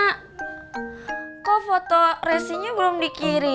kak kok foto resinya belum dikirim